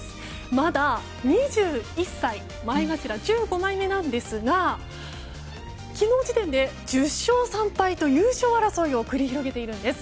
まだ、２１歳前頭十五枚目なんですが昨日時点で１０勝３敗と優勝争いを繰り広げています。